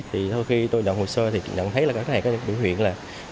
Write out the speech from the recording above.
thôi khi tôi nhận hồ sơ thì nhận thấy là các hạn biểu hiện là rất là đẹp rất là đẹp rất là đẹp